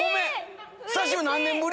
久しぶり！